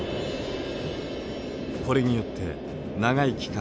これによって長い期間